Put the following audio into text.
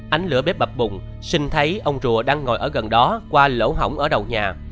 ánh lửa bếp bập bùng sinh thấy ông rùa đang ngồi ở gần đó qua lỗ hỏng ở đầu nhà